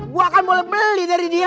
gue akan boleh beli dari dia